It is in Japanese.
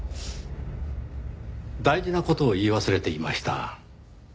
大事な事を言い忘れていました。